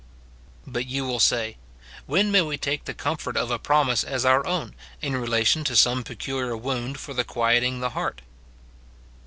But you will say, " When may we take the comfort of a promise as our own, in relation to some peculiar wound, for the quieting the heart